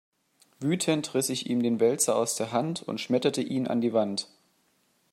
Wütend riss ich ihm den Wälzer aus der Hand und schmetterte ihn an die Wand.